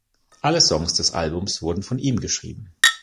Alle Songs des Albums wurden von ihm geschrieben.